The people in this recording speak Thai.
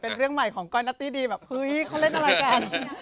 เป็นเรื่องใหม่ของกตี้แบบเค้าเล่นอะไรแก